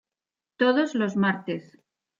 Todos los martes.